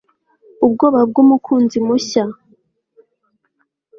Ubwoba bwumukunzi mushya